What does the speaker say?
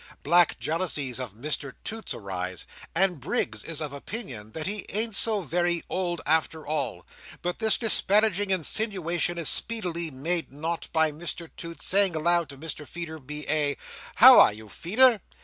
Black jealousies of Mr Toots arise, and Briggs is of opinion that he ain't so very old after all. But this disparaging insinuation is speedily made nought by Mr Toots saying aloud to Mr Feeder, B.A., "How are you, Feeder?"